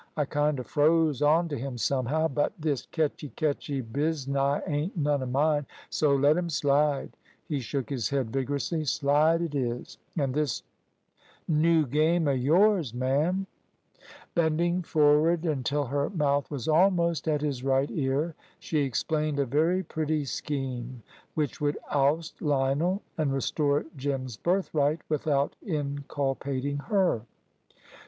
I kind o' froze on t' him somehow. But this catchy catchy biznai ain't none o' mine, so let him slide." He shook his head vigorously. "Slide it is. An' this noo game o' yours, ma'am?" Bending forward, until her mouth was almost at his right ear, she explained a very pretty scheme, which would oust Lionel and restore Jim's birthright, without inculpating her.